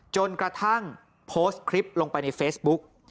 จนกระทั่งโพสต์คลิปลงไปในเฟซบุ๊ก